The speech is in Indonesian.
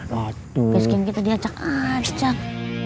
basecamp kita diacak acak